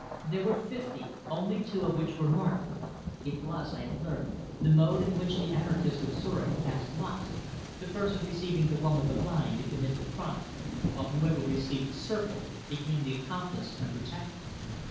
There were fifty, only two of which were marked. It was, I have learnt, the mode in which the Anarchists of Zurich cast lots, the person receiving the one with the line to commit the crime, while whoever received the circle became the accomplice and protector.